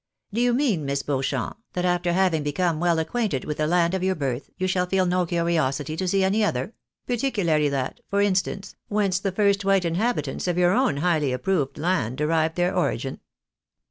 " Do you mean. Miss Beauchamp, that after having become well acquainted with the land of your birth, you shall feel no curiosity to see any other ?— particularly that, for instance, whence the first white inhabitants of your own highly approved land de rived their origin